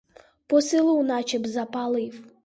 По селу наче б запалив.